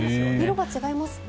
色が違いますね。